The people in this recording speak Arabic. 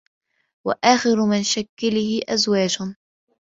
وَآخَرُ مِن شَكلِهِ أَزواجٌ